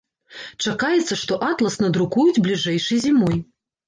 Чакаецца, што атлас надрукуюць бліжэйшай зімой.